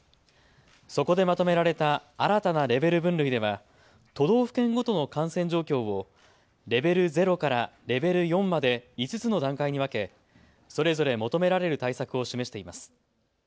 そこでまとめられた新たなレベル分類では都道府県ごとの感染状況をレベル０からレベル４まで５つの段階に分け、それぞれ求められる対策を示しています。